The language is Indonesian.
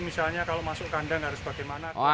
misalnya kalau masuk kandang harus bagaimana